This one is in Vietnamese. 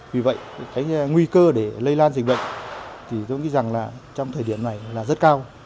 vì vậy cái nguy cơ để lây lan dịch bệnh thì tôi nghĩ rằng là trong thời điểm này là rất cao